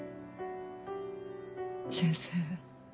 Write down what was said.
先生。